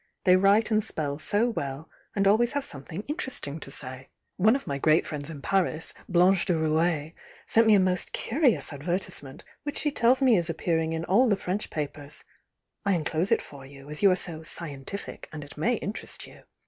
— they write and spell so well, and always have something interesting to say. One of my great friends in Pans, Blanche de Rouailles, sent me a most curious ad vertisement, which she tells me is appearing m all the French papers— I enclose it for you, as you are BO 'scientific' and it may interest you.